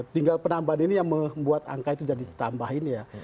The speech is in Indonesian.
tinggal penambahan ini yang membuat angka itu jadi tambah ini ya